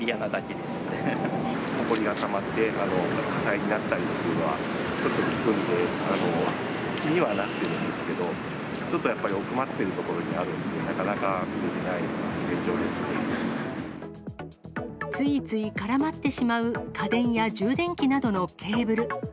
ほこりがたまって、火災になったりっていうのは、ちょっと聞くんで、気にはなってるんですけど、ちょっとやっぱり奥まっている所にあるんで、ついつい絡まってしまう家電や充電器などのケーブル。